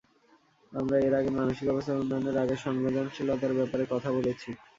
আমরা এর আগে মানসিক অবস্থার উন্নয়নে রাগের সংবেদনশীলতার ব্যাপারে কথা বলেছি।